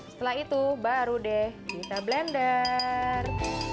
setelah itu baru deh kita blender